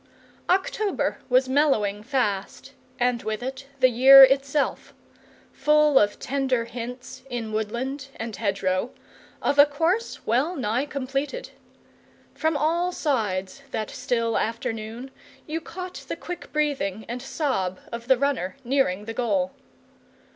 October was mellowing fast, and with it the year itself; full of tender hints, in woodland and hedgerow, of a course well nigh completed. From all sides that still afternoon you caught the quick breathing and sob of the runner nearing the goal.